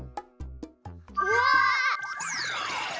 うわ！